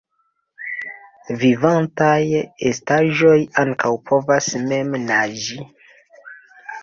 Vivantaj estaĵoj ankaŭ povas mem naĝi.